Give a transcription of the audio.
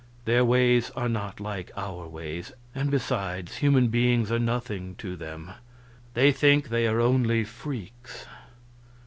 Their ways are not like our ways; and, besides, human beings are nothing to them; they think they are only freaks.